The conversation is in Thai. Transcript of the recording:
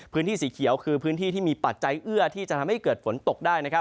พื้นที่สีเขียวคือพื้นที่ที่มีปัจจัยเอื้อที่จะทำให้เกิดฝนตกได้